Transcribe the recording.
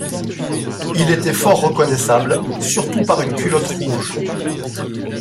Il était fort reconnaissable, surtout par une culotte rouge.